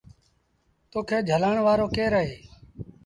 تو کي جھلآڻ وآرو ڪير اهي؟